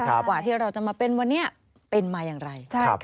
กว่าที่เราจะมาเป็นวันนี้เป็นมาอย่างไร